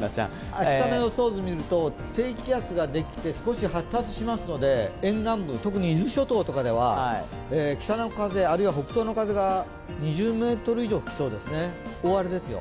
明日の予想図を見ると、低気圧ができて、少し発達しますので沿岸部、特に伊豆諸島とかでは北の風、あるいは北東の風が２０メートル以上吹きそうですね、大荒れですよ。